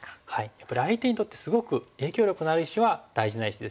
やっぱり相手にとってすごく影響力のある石は大事な石ですし。